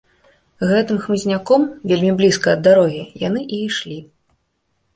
Гэтым хмызняком, вельмі блізка ад дарогі, яны і ішлі.